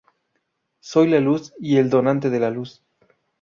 Soy la luz y el donante de la luz.